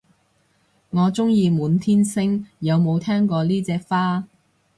我鍾意滿天星，有冇聽過呢隻花